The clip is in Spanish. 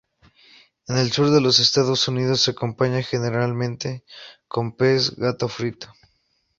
En el sur de los Estados Unidos se acompaña generalmente con pez gato frito.